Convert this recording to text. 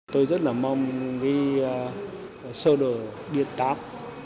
tôi rất mong đi sơ đồ điện tác